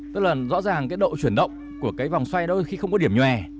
tức là rõ ràng cái độ chuyển động của cái vòng xoay đó khi không có điểm nhòe